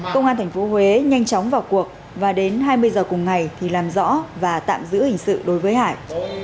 công an tp huế nhanh chóng vào cuộc và đến hai mươi giờ cùng ngày thì làm rõ và tạm giữ hình sự đối với hải